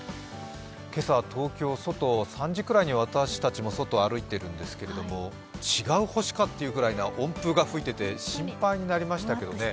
今朝、東京、外、３時くらいに私たち歩いてるんですけれども違う星かというくらいの温風が吹いていて心配になりましたけどね。